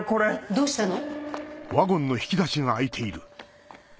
どうしたの？